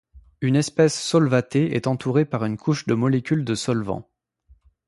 Une espèce solvatée est entourée par une couche de molécules de solvant.